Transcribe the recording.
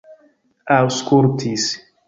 aŭskultis